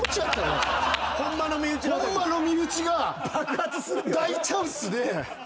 ホンマの身内が大チャンスで。